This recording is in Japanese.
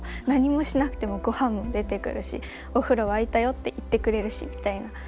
何もしなくても御飯も出てくるしお風呂沸いたよって言ってくれるしみたいな。